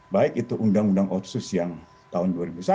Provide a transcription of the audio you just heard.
baik itu undang undang otsus yang tahun dua ribu satu